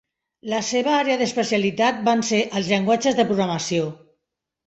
La seva àrea d'especialitat van ser els llenguatges de programació.